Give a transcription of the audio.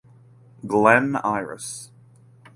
Glen Iris.